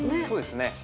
そうですね